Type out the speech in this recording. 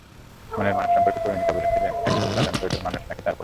মনের মানুষ সম্পর্কে পরিণীতি বলেছিলেন, একদম সাধারণ গোছের মানুষ নাকি তাঁর পছন্দ।